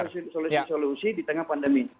solusi solusi di tengah pandemi